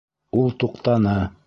Ул туҡтаны.